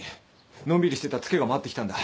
のんびりしてたつけが回ってきたんだ。